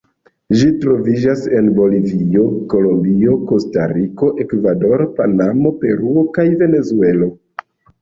Ĝi troviĝas en Bolivio, Kolombio, Kostariko, Ekvadoro, Panamo, Peruo kaj Venezuelo.